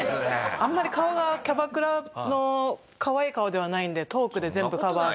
あんまり顔がキャバクラのかわいい顔ではないんでトークで全部カバーして。